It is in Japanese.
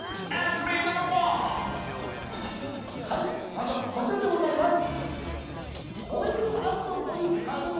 まずはこちらでございます。